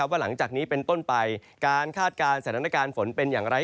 ว่าหลังจากนี้เป็นต้นไปการคาดการณ์สถานการณ์ฝนเป็นอย่างไร